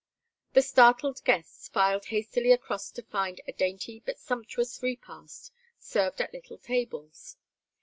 The startled guests filed hastily across to find a dainty but sumptuous repast served at little tables.